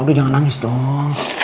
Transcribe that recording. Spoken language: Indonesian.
udah jangan nangis dong